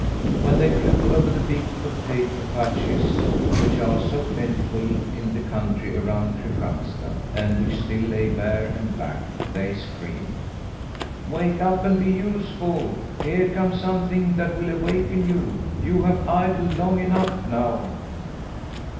When they flew over the big potato patches, which are so plentiful in the country around Christianstad and which still lay bare and black they screamed: "Wake up and be useful! Here comes something that will awaken you. You have idled long enough now."